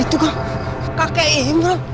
itu kok kakek imran